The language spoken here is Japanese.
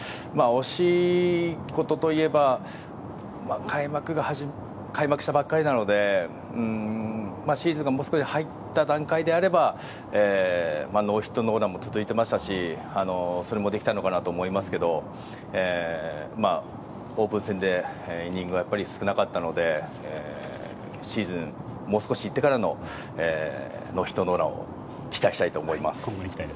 惜しいことといえば開幕したばかりなのでシーズンにもうちょっと入った段階であればノーヒットノーランも続いていましたしそれもできたのかなと思いますけどオープン戦でイニングが少なかったのでシーズン、もう少しいってからのノーヒットノーランを期待したいと思います。